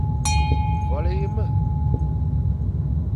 Vale ye ma.